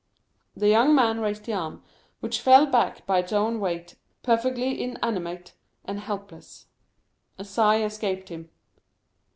The young man raised the arm, which fell back by its own weight, perfectly inanimate and helpless. A sigh escaped him.